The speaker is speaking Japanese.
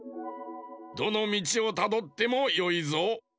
どのみちをたどってもよいぞ。